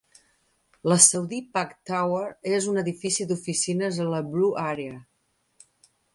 La Saudi Pak Tower és un edifici d"oficines a la Blue Area.